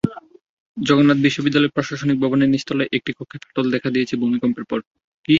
জগন্নাথ বিশ্ববিদ্যালয়ে প্রশাসনিক ভবনের নিচতলায় একটি কক্ষেও ফাটল দেখা দিয়েছে ভূমিকম্পের পর।